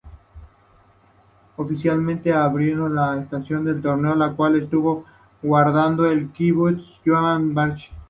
Oficialmente abriendo la estación de torneo, el cual estuvo aguantado en Kibbutz Yad Mordechai.